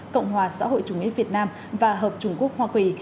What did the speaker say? cộng hòa xã hội chủ nghĩa việt nam và hợp trung quốc hoa kỳ